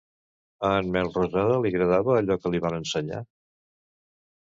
A en Melrosada li agradava allò que li van ensenyar?